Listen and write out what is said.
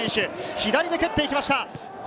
左で蹴っていきました。